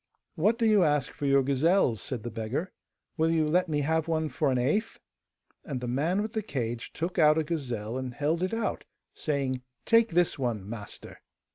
'What do you ask for your gazelles?' said the beggar. 'Will you let me have one for an eighth?' And the man with the cage took out a gazelle, and held it out, saying, 'Take this one, master!